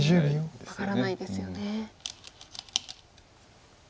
分からないですよね。